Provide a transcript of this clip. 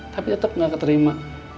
tapi tetep gak keterima